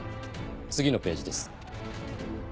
次のページです。